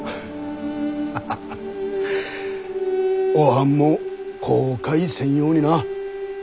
ハハハおはんも後悔せんようにな。